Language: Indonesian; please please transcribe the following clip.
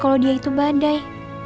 kalau dia itu badai